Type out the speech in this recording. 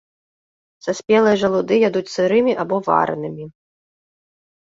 Саспелыя жалуды ядуць сырымі або варанымі.